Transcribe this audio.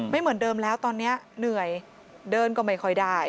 ไม่เหมือนเดิมแล้วตอนนี้เหนื่อยเดินก็ไม่ค่อยได้